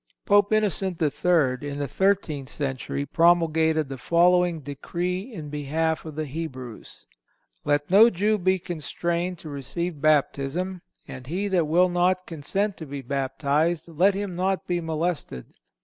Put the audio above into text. Pope Innocent III. in the Thirteenth Century promulgated the following Decree in behalf of the Hebrews: "Let no Jew be constrained to receive baptism, and he that will not consent to be baptized, let him not be molested.